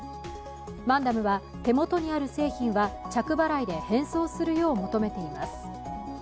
マンダムは、手元にある製品は着払いで返送するよう求めています。